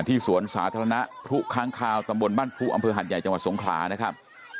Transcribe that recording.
สวนสาธารณะพลุค้างคาวตำบลบ้านพลุอำเภอหัดใหญ่จังหวัดสงขลานะครับ